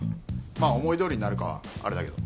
まあ思いどおりになるかはあれだけど。